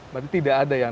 berarti tidak ada yang